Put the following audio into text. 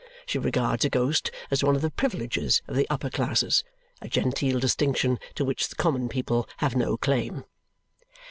She regards a ghost as one of the privileges of the upper classes, a genteel distinction to which the common people have no claim.